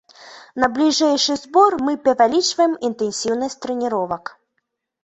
На бліжэйшы збор мы павялічваем інтэнсіўнасць трэніровак.